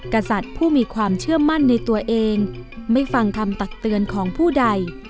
กษัตริย์ผู้มีความเชื่อมั่นในตัวเองไม่ฟังคำตักเตือนของผู้ใด